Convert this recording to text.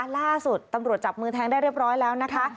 ล่าสุดตำรวจจับมือแทงได้เรียบร้อยแล้วนะคะ